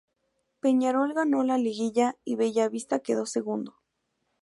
Peñarol ganó la Liguilla y Bella Vista quedó segundo.